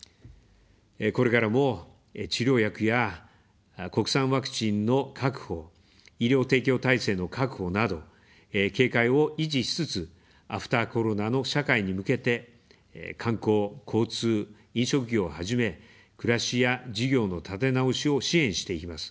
これからも治療薬や国産ワクチンの確保、医療提供体制の確保など警戒を維持しつつ、アフターコロナの社会に向けて、観光、交通、飲食業をはじめ、暮らしや事業の立て直しを支援していきます。